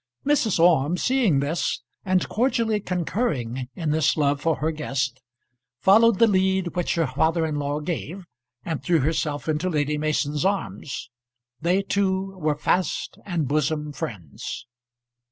Mrs. Orme, seeing this, and cordially concurring in this love for her guest, followed the lead which her father in law gave, and threw herself into Lady Mason's arms. They two were fast and bosom friends.